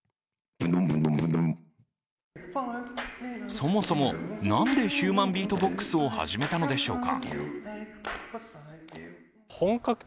そもそも、なんでヒューマン・ビート・ボックスを始めたのでしょうか？